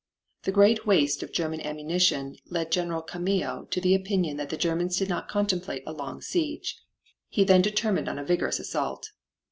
The great waste of German ammunition led General Kamio to the opinion that the Germans did not contemplate a long siege. He then determined on a vigorous assault.